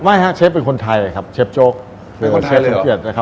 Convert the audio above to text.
ไม่ครับเชฟเป็นคนไทยครับเชฟโจ๊ก